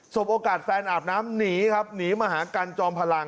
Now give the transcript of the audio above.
บโอกาสแฟนอาบน้ำหนีครับหนีมหากันจอมพลัง